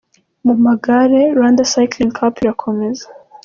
Mu magare, Rwanda Cycling Cup irakomeza.